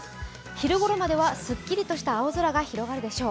昼頃まではすっきりとした青空が広がるでしょう。